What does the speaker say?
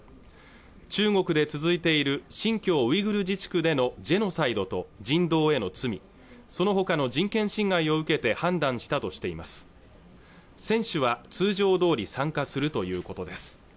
中国で続いている新疆ウイグル自治区でのジェノサイドと人道への罪そのほかの人権侵害を受けて判断したとしています選手は通常通り参加するということです